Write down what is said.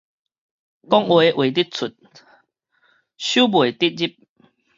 話講會得出，收袂得入